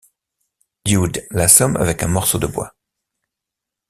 Dude l'assomme avec un morceau de bois.